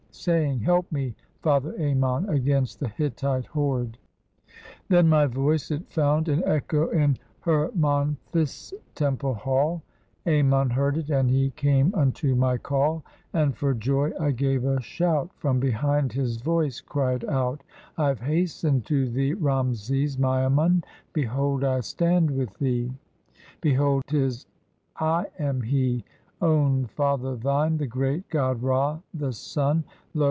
Saying, 'Help me, father Ammon, against the Hittite horde.'" Then my voice it found an echo in Hermonthis' temple hall, Ammon heard it, and he came unto my call ; And for joy I gave a shout. From behind, his voice cried out, "I have hastened to thee, Ramses Miamun, Behold ! I stand with thee, 158 THE VICTORY OVER THE KHITA Behold! 't is I am he, Own father thine, the great god Ra, the sun. Lo!